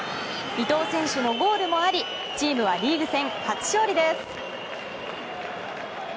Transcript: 伊東選手のゴールもありチームはリーグ戦初勝利です。